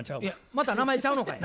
また名前ちゃうのかい？